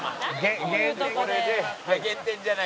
「減点」「減点じゃない」